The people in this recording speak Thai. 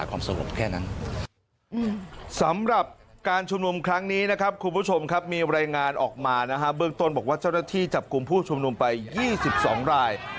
วัดเจ้าหน้าที่จับกลุ่มผู้ชุมนุมไป๒๒ราย